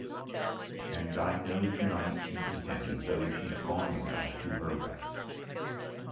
And I know tonight she'd be happy, though she's gone now to her rest.